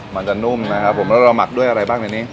มันจะนุ่มนะครับผมแล้วเราหมักด้วยอะไรบ้างในนี้